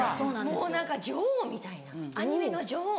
もう何か女王みたいなアニメの女王。